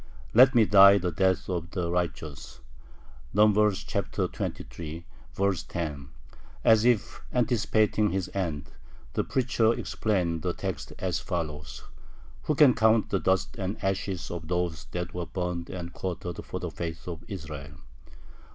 Let me die the death of the righteous!" (Numbers xxiii. 10). As if anticipating his end, the preacher explained the text as follows: "Who can count the dust and ashes of those that were burned and quartered for the faith of Israel?"